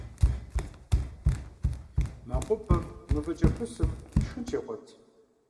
МэкъупӀэм мывэкӀэпысым шхын щегъуэт.